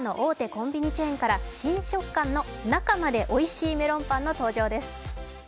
コンビニチェーンから新食間の中までおいしいメロンパンの登場です。